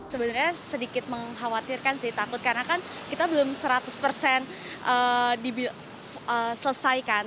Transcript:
sebenarnya sedikit mengkhawatirkan sih takut karena kan kita belum seratus persen diselesaikan